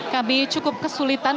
kami cukup kesulitan